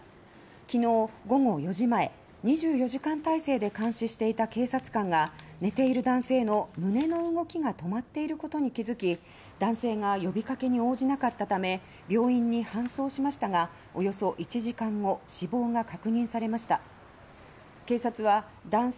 昨日午後４時前２４時間態勢で監視していた警察官が寝ている男性の胸の動きが止まっていることに気づき男性が呼びかけに応じなかったため病院に搬送しましたがおよそ１時間後死亡が確認されました。